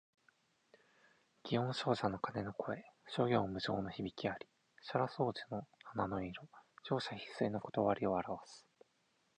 祇園精舎の鐘の声、諸行無常の響きあり。沙羅双樹の花の色、盛者必衰の理をあらわす。